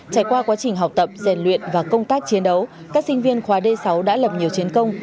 trải qua quá trình học tập rèn luyện và công tác chiến đấu các sinh viên khóa d sáu đã lập nhiều chiến công